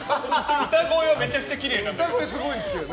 歌声はめちゃくちゃきれいなんだけど。